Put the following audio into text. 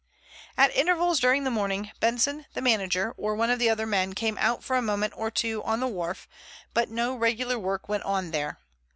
At intervals during the morning, Benson, the manager, or one of the other men came out for a moment or two on the wharf, but no regular work went on there.